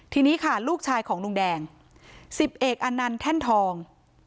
ทีนี้ค่ะลูกชายของลุงแดง๑๐เอกอนันต์แท่นทอง